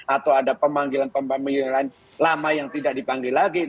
atau ada pemanggilan pemanggilan lama yang tidak dipanggil lagi